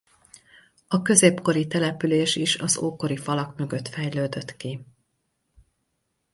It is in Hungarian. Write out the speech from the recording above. A középkori település is az ókori falak mögött fejlődött ki.